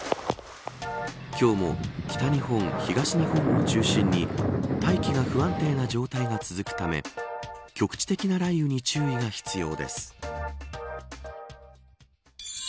今日も北日本、東日本を中心に大気が不安定な状態が続くため局地的な雷雨に注意が必要です。